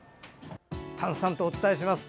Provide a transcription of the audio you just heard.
丹さんとお伝えします。